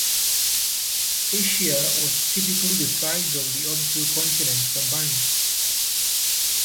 Asia was typically the size of the other two continents combined.